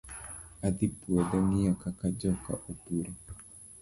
Adhii puodho ngiyo kaka joka opuro.